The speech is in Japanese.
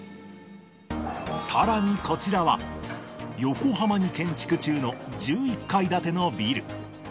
さらにこちらは、横浜に建築中の１１階建てのビル。